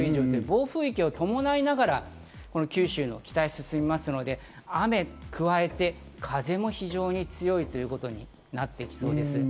暴風域を伴いながら九州の北へ進みますので、雨に加えて風も非常に強いということになっていきそうです。